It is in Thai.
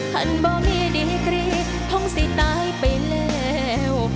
ฮ่อนบ่มีดีเกรียมท่องสิตายไปแล้ว